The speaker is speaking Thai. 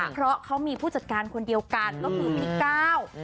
เพราะเขามีผู้จัดการคนเดียวกันก็คือพี่ก้าว